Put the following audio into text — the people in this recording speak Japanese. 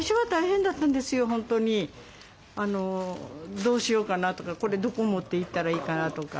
どうしようかなとかこれどこ持って行ったらいいかなとか。